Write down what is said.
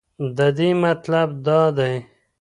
ددې مطلب دا دی.